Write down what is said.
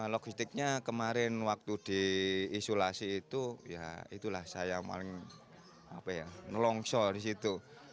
logistiknya kemarin waktu diisolasi itu ya itulah saya yang paling melongsol di situ